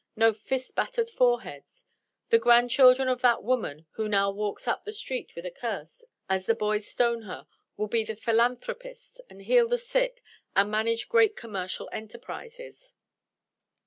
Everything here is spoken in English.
No fist battered foreheads. The grandchildren of that woman who now walks up the street with a curse, as the boys stone her, will be philanthropists, and heal the sick, and manage great commercial enterprises.